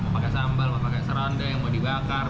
mau pakai sambal mau pakai serunding mau dibakar